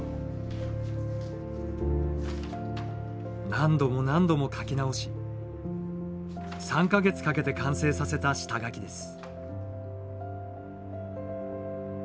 何度も何度も描き直し３か月かけて完成させた下描きです。